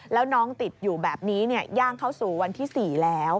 แล้วน้องติดอยู่แบบนี้ย่างเข้าสู่วันที่๔แล้ว